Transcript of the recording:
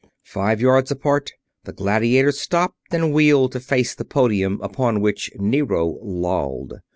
Five yards apart, the gladiators stopped and wheeled to face the podium upon which Nero lolled.